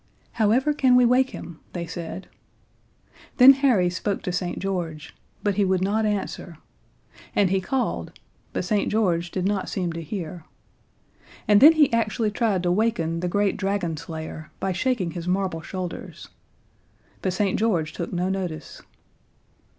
"How ever can we wake him?" they said. Then Harry spoke to St. George but he would not answer; and he called, but St. George did not seem to hear; and then he actually tried to waken the great dragon slayer by shaking his marble shoulders. But St. George took no notice.